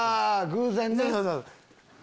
偶然ね。